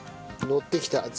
のってきた。